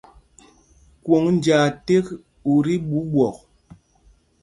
Kwòŋ njāā ték ú tí ɓuu ɓwɔk.